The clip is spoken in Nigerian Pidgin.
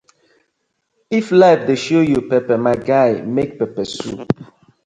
If life dey show you pepper, my guy make pepper soup.